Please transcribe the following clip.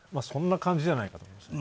そんな感じじゃないかと。